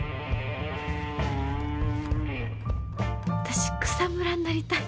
私草むらになりたい。